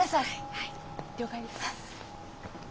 はい了解です。